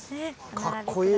かっこいい。